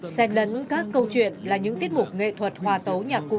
xét lấn các câu chuyện là những tiết mục nghệ thuật hòa tấu nhạc cụ